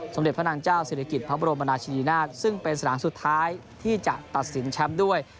เด็จพระนางเจ้าศิริกิจพระบรมราชินีนาฏซึ่งเป็นสนามสุดท้ายที่จะตัดสินแชมป์ด้วย